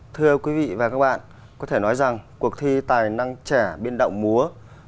thưa quý vị và các bạn có thể nói rằng cuộc thi tài năng trẻ biên đạo múa